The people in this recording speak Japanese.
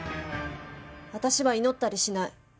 私は祈ったりしない。